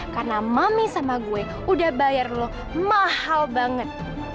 karena mami sama gue udah bayar lo mahal banget